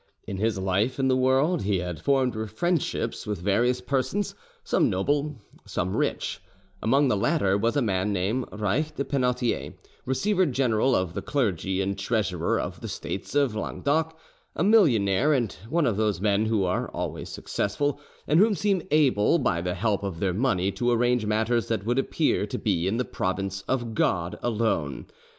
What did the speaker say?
In his life in the world he had formed friendships with various persons, some noble, some rich: among the latter was a man named Reich de Penautier, receiver general of the clergy and treasurer of the States of Languedoc, a millionaire, and one of those men who are always successful, and who seem able by the help of their money to arrange matters that would appear to be in the province of God alone.